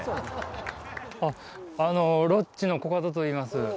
あの、ロッチのコカドと申します。